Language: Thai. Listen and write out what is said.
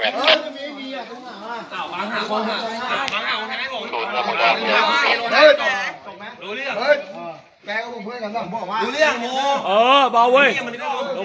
ไอ้พี่พี่เต้อง